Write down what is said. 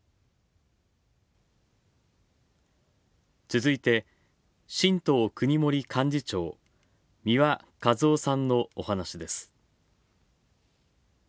続いて、新党くにもり幹事長三輪和雄さんのお話です。